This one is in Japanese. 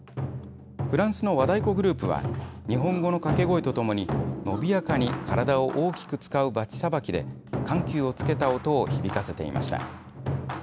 フランスの和太鼓グループは日本語の掛け声とともに伸びやかに体を大きく使うばちさばきで緩急をつけた音を響かせていました。